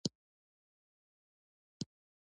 غزني د افغانستان د ځانګړي ډول جغرافیه استازیتوب کوي.